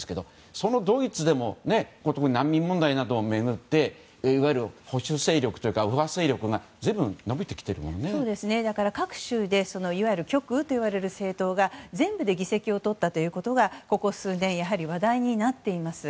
そのドイツでも特に難民問題などを巡って保守勢力、右派勢力がだから各州で極右といわれる政党が議席をとったということがここ数年、話題になっています。